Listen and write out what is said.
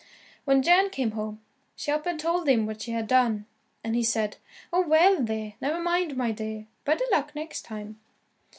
When Jan came home, she up and told him what she had done, and he said, "Oh, well, there, never mind, my dear, better luck next time."